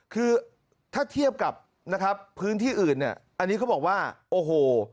คือถ้าเทียบกับพื้นที่อื่นอันนี้เขาบอกว่าโอ้โห